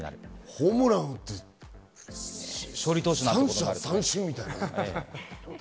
ホームランを打って三者三振みたいな。